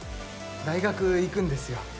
大学行くんですよ。